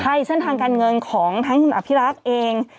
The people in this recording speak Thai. ใช่เส้นทางการเงินของทั้งคุณอภิรักษ์เอง